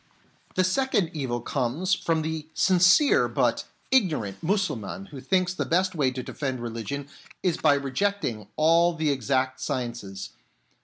The second evil comes from the sincere but ignorant Mussulman who thinks the best way to defend religion is by rejecting all the exact sciences.